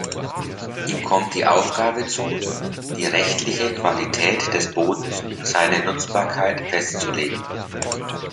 Ihm kommt die Aufgabe zu, die rechtliche Qualität des Bodens und seine Nutzbarkeit festzulegen.